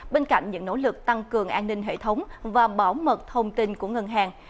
bên cạnh những nỗ lực tăng cường an ninh hệ thống và bảo mật thông tin của ngân hàng